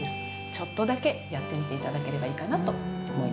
ちょっとだけやってみて頂ければいいかなと思います。